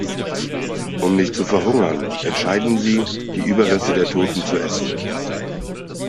Um nicht zu verhungern, entscheiden sie, die Überreste der Toten zu essen.